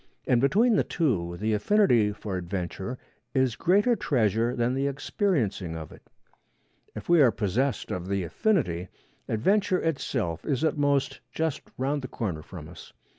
And between the two the affinity for adventure is greater treasure than the experiencing of it. If we are possessed of the affinity, adventure itself is, at most, just round the corner from us.